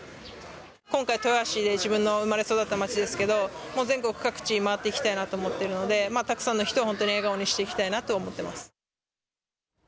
今回、豊橋で自分が生まれ育った町ですけど、全国各地回っていきたいなと思っているので、たくさんの人を本当に笑顔にしていきたいなと思っています。